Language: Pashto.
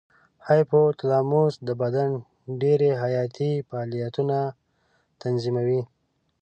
هایپو تلاموس د بدن ډېری حیاتي فعالیتونه تنظیموي.